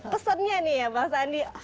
pesannya nih ya bang sandi